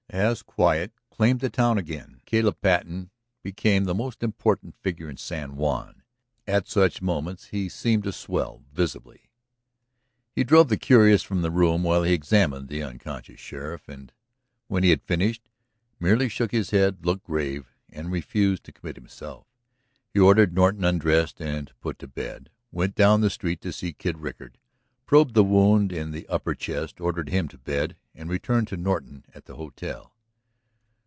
As quiet claimed the town again Caleb Patten became the most important figure in San Juan. At such moments he seemed to swell visibly. He drove the curious from the room while he examined the unconscious sheriff and, when he had finished, merely shook his head, looked grave, and refused to commit himself. He ordered Norton undressed and put to bed, went down the street to see Kid Rickard, probed the wound in the upper chest, ordered him to bed, and returned to Norton at the hotel.